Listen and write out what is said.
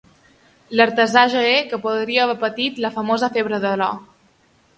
L'artesà joier que podria haver patit la famosa febre de l'or.